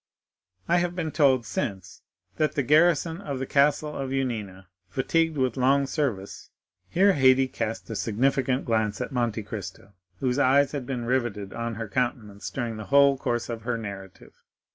I have been told since that the garrison of the castle of Yanina, fatigued with long service——" Here Haydée cast a significant glance at Monte Cristo, whose eyes had been riveted on her countenance during the whole course of her narrative.